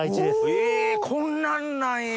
えこんなんなんや。